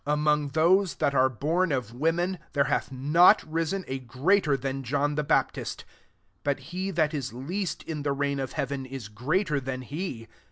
Among those that are born of women, there hath not risen a greater than John the Baptist; but he that is least in the reign of heaven is greater than he.